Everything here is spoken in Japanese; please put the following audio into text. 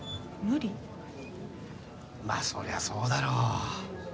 まあそりゃそうだろ。